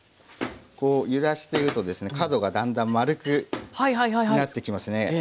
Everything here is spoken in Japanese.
こう揺らしているとですね角がだんだん丸くなってきますね。